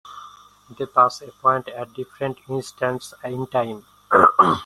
They pass a point at different instants in time.